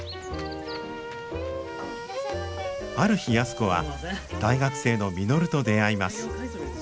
ある日安子は大学生の稔と出会います。